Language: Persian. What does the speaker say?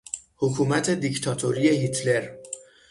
حکومت دیکتاتوری هیتلر